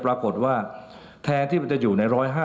ปรากฏว่าแทนที่มันจะอยู่ใน๑๕๐